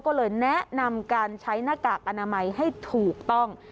ก็เลยแนะนำการใช้หน้ากากอนามัยให้ถูกต้อง